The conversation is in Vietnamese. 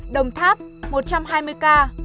đồng tháp một trăm hai mươi ca